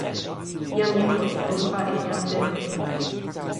jan Jepo li unpa e jan Tenli.